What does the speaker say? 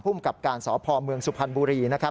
ผู้มกับการสอบภอมเมืองสุพรรณบุรีนะครับ